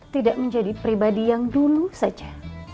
tidak menjadi pribadi yang dulu saja